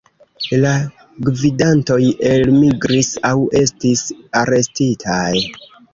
La gvidantoj elmigris aŭ estis arestitaj.